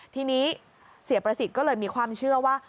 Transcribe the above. ทีนี้เสียประสิทธิ์ก็เลยมีความเชื่อว่า